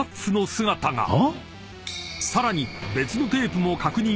［さらに］